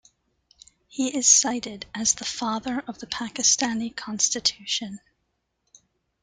He is cited as the 'Father of the Pakistani Constitution'.